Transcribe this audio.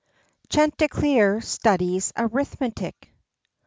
CHANTICLEER STUDIES ARITHMETIC.